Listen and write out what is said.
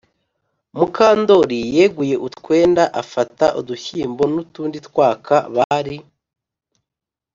mukandori yeguye utwenda, afata udushyimbo n'utundi twaka bari